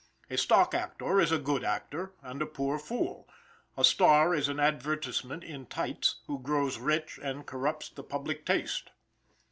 A stock actor is a good actor, and a poor fool. A star is an advertisement in tights, who grows rich and corrupts the public taste.